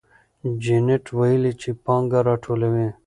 جینت ویلي چې پانګه راټولوي.